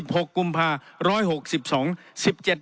เหลือ๑๖๒บาท